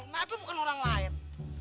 kenapa bukan orang lain